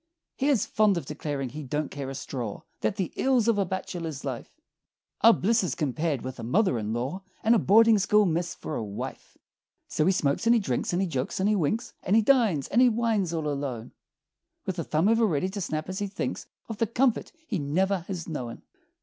He is fond of declaring he "don't care a straw" That "the ills of a bachelor's life Are blisses compared with a mother in law, And a boarding school miss for a wife!" So he smokes, and he drinks, and he jokes and he winks, And he dines, and he wines all alone, With a thumb ever ready to snap as he thinks Of the comforts he never has known.